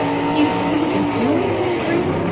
"Do you see what they're doing!" he screamed.